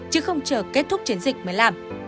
chứ không chờ kết thúc chiến dịch mới làm